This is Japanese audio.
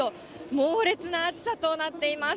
猛烈な暑さとなっています。